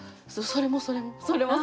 それもそれも！